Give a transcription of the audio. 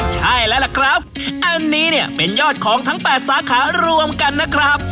ใช่แล้วล่ะครับอันนี้เนี่ยเป็นยอดของทั้ง๘สาขารวมกันนะครับ